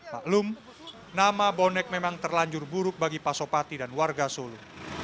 maklum nama bonek memang terlanjur buruk bagi pasopati dan warga solo